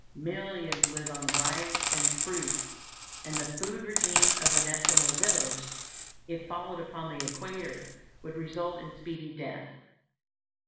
Millions live on rice and fruits; and the food regimen of an Esquimaux village, if followed upon the equator, would result in speedy death.